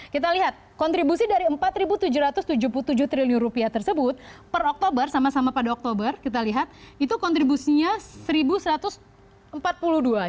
kita lihat kontribusi dari rp empat tujuh ratus tujuh puluh tujuh triliun rupiah tersebut per oktober sama sama pada oktober kita lihat itu kontribusinya rp satu satu ratus empat puluh dua triliun